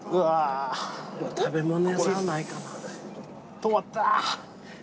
止まった！